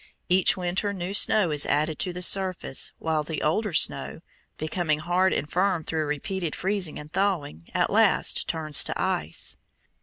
Each winter new snow is added to the surface, while the older snow, becoming hard and firm through repeated freezing and thawing, at last turns to ice.